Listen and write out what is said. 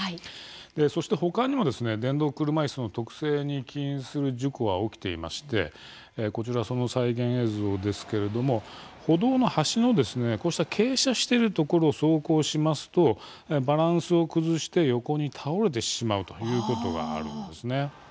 そして、ほかにも電動車いすの特性に起因する事故が起きていましてこちらはその再現映像ですけれども歩道の端のこうした傾斜しているところを走行しますとバランスを崩して横に倒れてしまうということがあるんです。